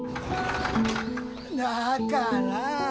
だから。